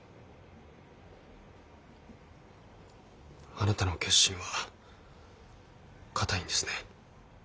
あなたの決心は固いんですね。